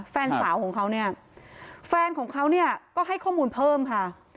แฟนสาวของเขาเนี่ยแฟนของเขาเนี่ยก็ให้ข้อมูลเพิ่มค่ะ